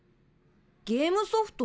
ゲームソフト？